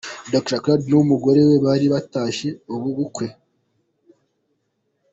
Dr Claude n'umugore we bari batashye ubu bukwe.